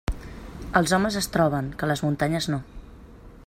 Els homes es troben, que les muntanyes no.